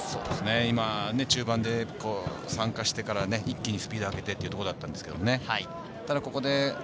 今、中盤で参加してから、一気にスピードを上げてというところだったんですけどね。